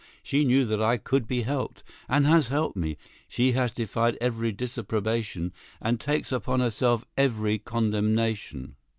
She knew that I could be helped, and has helped me: she has defied every disapprobation and taken upon herself every condemnation."